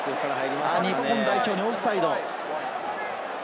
日本代表にオフサイド。